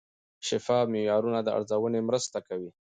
شفاف معیارونه د ارزونې مرسته کوي.